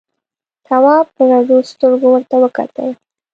تواب په رډو سترګو ورته وکتل.